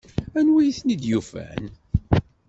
Anwi ay ten-id-yufan?